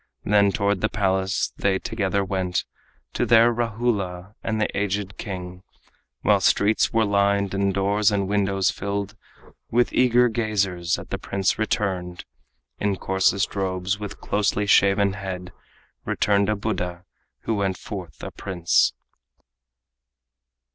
Then toward the palace they together went To their Rahula and the aged king, While streets were lined and doors and windows filled With eager gazers at the prince returned In coarsest robes, with closely shaven head, Returned a Buddha who went forth a prince.